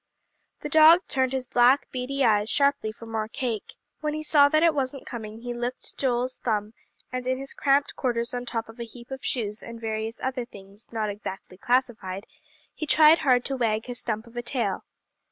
The dog turned his black, beady eyes sharply for more cake. When he saw that it wasn't coming, he licked Joel's thumb; and in his cramped quarters on top of a heap of shoes and various other things not exactly classified, he tried hard to wag his stump of a tail.